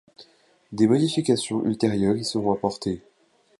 Des modifications ultérieures y seront apportées.